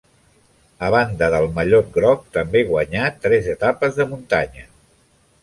A banda del mallot groc també guanyà tres etapes de muntanya.